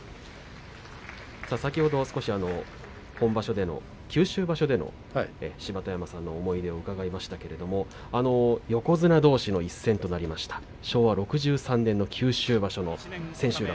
先ほどは本場所での九州場所での芝田山さんの思い出も伺いましたけれども横綱どうしの一戦となりました昭和６３年の九州場所の千秋楽。